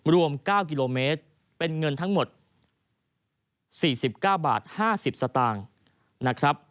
รวม๙กิโลเมตรเป็นเงินทั้งหมด๔๙บาท๕๐สตางค์นะครับ